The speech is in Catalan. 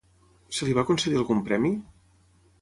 Se li va concedir algun premi?